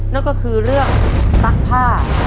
นั่นก็คือเรื่องซักผ้า